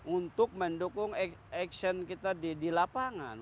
untuk mendukung action kita di lapangan